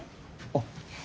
あっ。